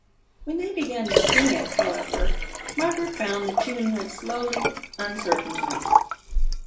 When they began to sing it, however, Margaret found the tune went slowly, uncertainly.